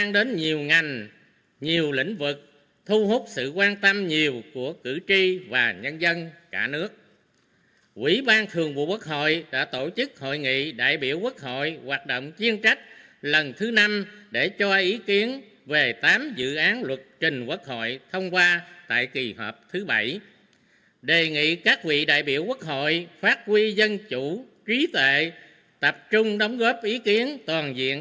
đề nghị các vị đại biểu quốc hội phát huy dân chủ trí tệ tập trung đóng góp ý kiến toàn diện